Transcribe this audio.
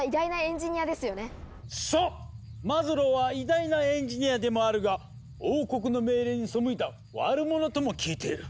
マズローは偉大なエンジニアでもあるが王国の命令に背いた悪者とも聞いている。